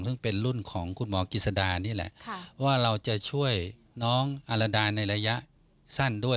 ซึ่งเป็นรุ่นของคุณหมอกิจสดานี่แหละว่าเราจะช่วยน้องอารดาในระยะสั้นด้วย